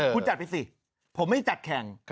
คุณจัดไปสิผมไม่จัดแข่ง